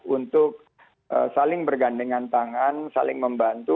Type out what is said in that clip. untuk saling bergandengan tangan saling membantu